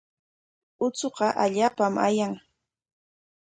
Uchuqa allaapam ayan.